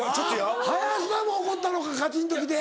林田も怒ったのかカチンときて。